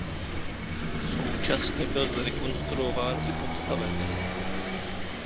Současně byl zrekonstruován i podstavec.